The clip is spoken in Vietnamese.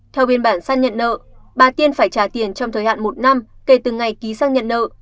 theo biên bản xác nhận nợ bà tiên phải trả tiền trong thời hạn một năm kể từ ngày ký xác nhận nợ